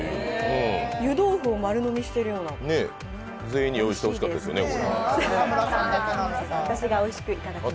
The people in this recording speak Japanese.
湯豆腐を丸飲みしているような、おいしいです。